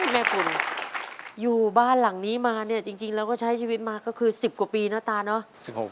ฝุ่นอยู่บ้านหลังนี้มาเนี่ยจริงแล้วก็ใช้ชีวิตมาก็คือ๑๐กว่าปีนะตาเนอะ